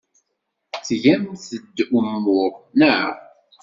Tgamt-d umuɣ, naɣ?